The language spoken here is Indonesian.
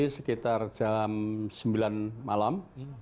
sekitar jam sembilan malam